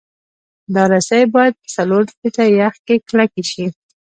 دا رسۍ باید په څلور فټه یخ کې کلکې شي